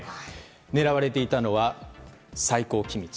狙われていたのは最高機密。